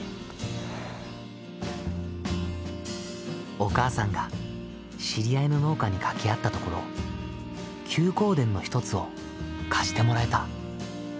お母さんが知り合いの農家に掛け合ったところ休耕田の一つを貸してもらえた。